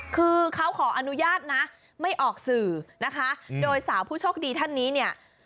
คือเขาขออนุญาตนะไม่ออกสื่อนะคะโดยสาวผู้โชคดีท่านนี้เนี่ย